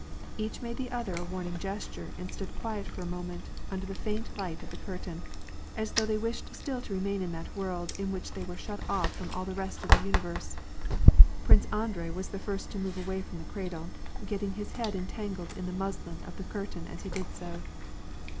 Each made the other a warning gesture and stood quiet for a moment under the faint light of the ~Burtain, as though they wished still to remain in that world in which they were shut off from all the rest of the universe. Prince Andrei was the first to move away from the cradle, getting his head entangled in the muslin of the curtain as he did so.